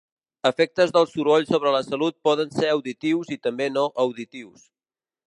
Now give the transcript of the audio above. Efectes del soroll sobre la salut poden ser auditius i també no auditius.